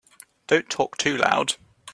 Don't talk too loud.